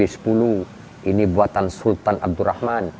ini buatan sultan abdurrahman